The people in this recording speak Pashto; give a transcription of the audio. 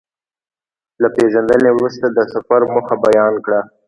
له پېژندنې وروسته د سفر موخه بيان کړه.